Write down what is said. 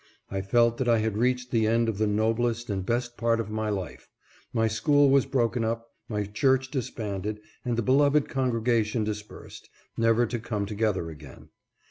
I felt that I had reached the end of the noblest and best part of my life ; my school was broken up, my church disbanded, and the beloved congregation dispersed, never to come together again.